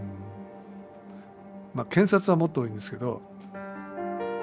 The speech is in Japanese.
検察はもっと多いですけど。